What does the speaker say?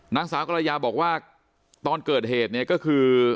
นางสาวกรยาบอกว่าตอนเกิดเหตุเนี่ยก็คือ